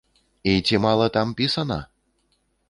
І ці мала там пісана?!